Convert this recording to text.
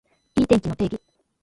いい天気の定義